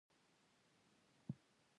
خپل مال دې پې بغرۍ که.